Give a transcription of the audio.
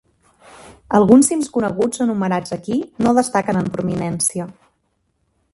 Alguns cims coneguts enumerats aquí no destaquen en prominència.